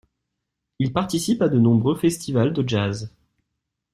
Il participe à de nombreux festivals de jazz.